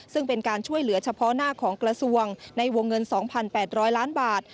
ซึ่งเป็นการช่วยเหลือเฉพาะหน้าของกระทรวงในวงเงิน๒๘๐๐ล้านบาท